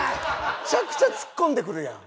めちゃくちゃ突っ込んでくるやん。